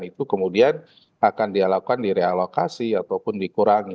itu kemudian akan dialakukan di realokasi ataupun dikurangi